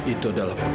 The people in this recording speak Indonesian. itu adalah petanda